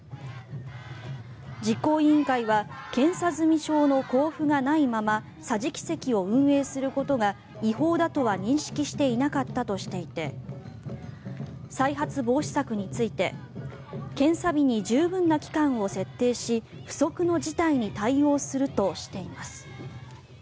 実行委員会は検査済証の交付がないまま桟敷席を運営することが違法だとは認識していなかったとしていて再発防止策について検査日に十分な期間を設定し不測の事態に対応するとしています。